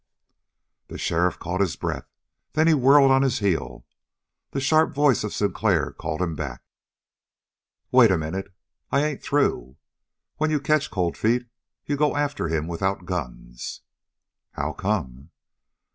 The sheriff caught his breath, then whirled on his heel. The sharp voice of Sinclair called him back. "Wait a minute. I ain't through. When you catch Cold Feet you go after him without guns." "How come?"